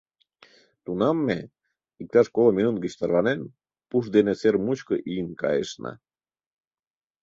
Тунам ме, иктаж коло минут гыч тарванен, пуш дене сер мучко ийын кайышна.